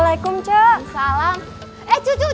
kamu macam mana tuh kan